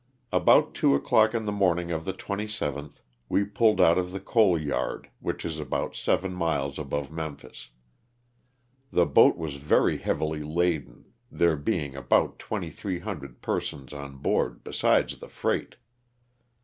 About two o'clock in the morning of the Ji7th we pulled out of the coal yard, which is about seven miles above Memphis. The boat was very heavily laden, there being about 2,300 persons on board besides the freight.